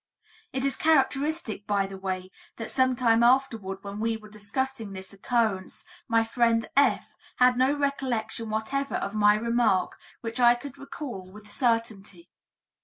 "It is characteristic, by the way, that some time afterward when we were discussing this occurrence, my friend F. had no recollection whatever of my remark, which I could recall with certainty."